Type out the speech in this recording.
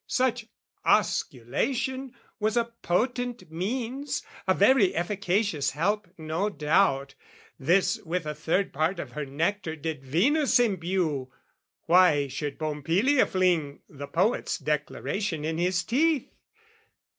Such osculation was a potent means, A very efficacious help, no doubt: This with a third part of her nectar did Venus imbue: why should Pompilia fling The poet's declaration in his teeth?